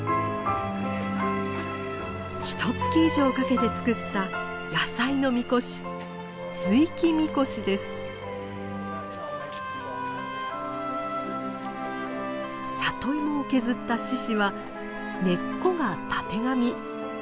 ひとつき以上かけて作った野菜の神輿里芋を削った獅子は「根っこ」が「たてがみ」。